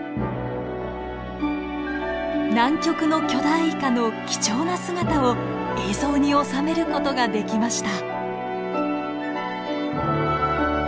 南極の巨大イカの貴重な姿を映像に収める事ができました。